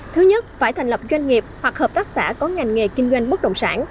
thứ nhất phải thành lập doanh nghiệp hoặc hợp tác xã có ngành nghề kinh doanh bất động sản